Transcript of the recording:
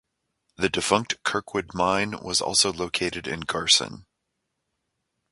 The defunct Kirkwood Mine was also located in Garson.